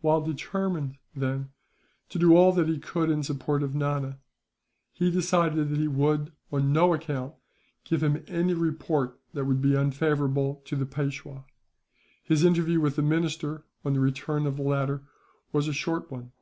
While determined, then, to do all that he could in support of Nana; he decided that he would, on no account, give him any report that would be unfavourable to the Peishwa. His interview with the minister, on the return of the latter, was a short one.